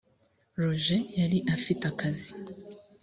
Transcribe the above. roger yari afite akazi